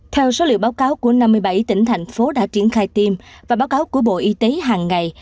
theo số liệu báo cáo của năm mươi bảy tỉnh thành phố đã triển khai tiêm và báo cáo của bộ y tế hàng ngày